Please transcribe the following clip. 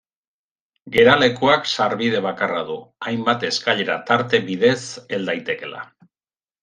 Geralekuak sarbide bakarra du, hainbat eskailera tarte bidez hel daitekeela.